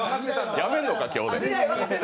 辞めんのか、今日で。